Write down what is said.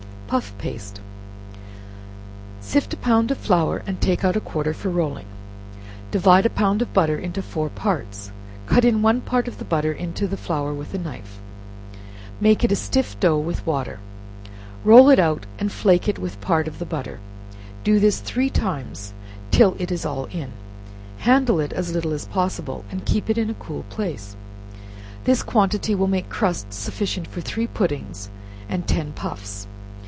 Puff Paste. Sift a pound of flour, and take out a quarter for rolling, divide a pound of butter into four parts, cut one part of the butter into the flour with a knife, make it a stiff dough with water, roll it out, and flake it with part of the butler, do this three times till it is all in, handle it as little as possible, and keep it in a cool place. This quantity will make crust sufficient for three puddings and ten puffs.